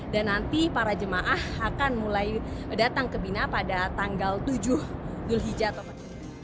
dan nanti para jemaah akan mulai datang ke mina pada tanggal tujuh juli jatuh